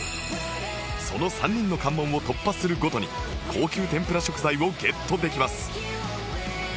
その３人の関門を突破するごとに高級天ぷら食材をゲットできます